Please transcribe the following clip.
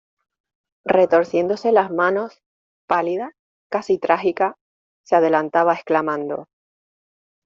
retorciéndose las manos, pálida , casi trágica , se adelantaba exclamando: